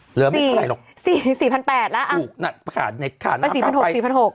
เหลือไม่เท่าไรหรอกสี่สี่พันแปดละอ่ะค่ะเน็ตค่ะสี่พันหก